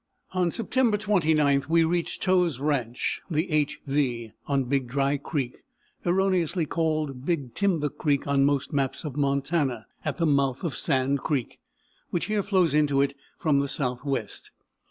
On September 29 we reached Tow's ranch, the =HV=, on Big Dry Creek (erroneously called Big Timber Creek on most maps of Montana), at the mouth of Sand Creek, which here flows into it from the southwest.